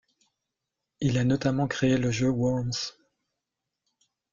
Il a notamment créé le jeu Worms.